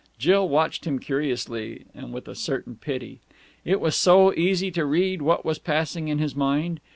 Jill watched him curiously and with a certain pity. It was so easy to read what was passing in his mind.